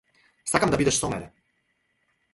Сакам да бидеш со мене.